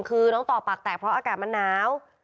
คือน้องต่อปากแตกเพราะอากาศมันหนาว